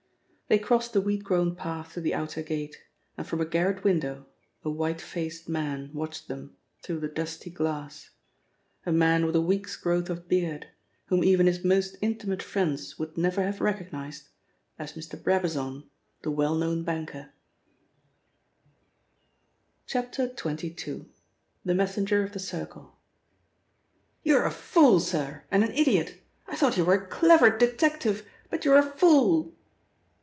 They crossed the weed grown path to the outer gate, and from a garret window a white faced man watched them through the dusty glass; a man with a week's growth of beard, whom even his most intimate friends would never have recognised as Mr. Brabazon, the well known banker, XXII. — THE MESSENGER OF THE CIRCLE "YOU'RE a fool, sir, and an idiot. I thought you were a clever detective, but you're a fool!"